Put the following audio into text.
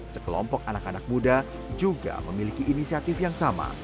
sekelompok anak anak muda juga memiliki inisiatif yang sama